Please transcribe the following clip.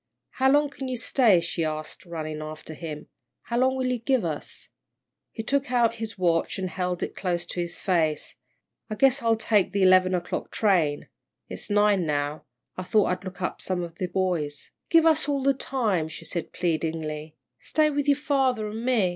"How long can you stay?" she asked, running after him. "How long will you give us?" He took out his watch, and held it close to his face. "I guess I'll take the eleven o'clock train. It's nine now I thought I'd look up some of the boys." "Give us all the time," she said, pleadingly, "stay with your father an' me.